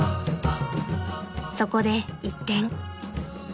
［そこで一転］